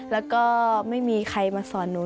แล้วก็ไม่มีใครมาสอนหนู